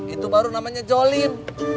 itu baru namanya jolin